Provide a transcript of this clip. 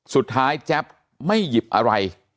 สุดท้ายแจ๊บไม่หยิบอะไร